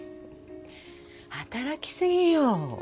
働きすぎよ。